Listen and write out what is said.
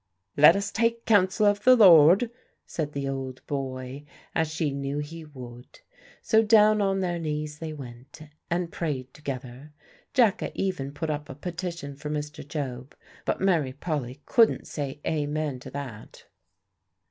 "Lev us take counsel of the Lord," said the old boy, as she knew he would. So down on their knees they went, and prayed together. Jacka even put up a petition for Mr. Job, but Mary Polly couldn't say "Amen" to that.